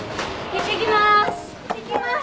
いってきまーす。